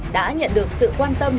đã nhận được sự quan tâm